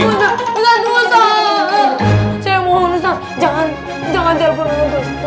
ustadz musa saya mohon ustadz jangan jangan jawab